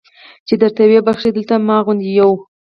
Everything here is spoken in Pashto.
چې درته ویې بخښي دلته ما غوندې یو.